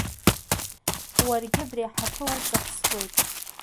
Уаргьы абри аҳаԥы уҵаԥсуеит.